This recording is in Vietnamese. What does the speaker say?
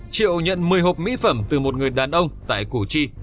triệu nhận một mươi hộp mỹ phẩm từ một người đàn ông tại củ chi